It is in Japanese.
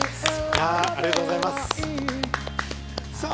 ありがとうございます。